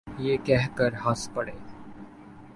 یہ کہہ کے ہنس پڑے۔